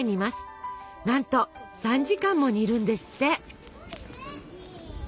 なんと３時間も煮るんですって！